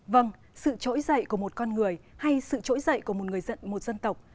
vâng sự trỗi dậy của một con người hay sự trỗi dậy của một người dẫn một dân tộc